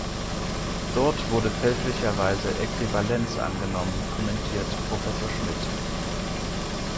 Dort wurde fälschlicherweise Äquivalenz angenommen, kommentiert Professor Schmidt.